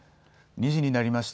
２時になりました。